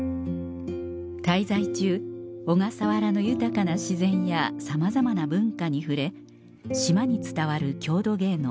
滞在中小笠原の豊かな自然やさまざまな文化に触れ島に伝わる郷土芸能